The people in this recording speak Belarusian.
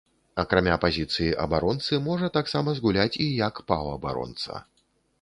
Акрамя пазіцыі абаронцы можа таксама згуляць і як паўабаронца.